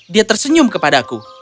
dia tersenyum kepadaku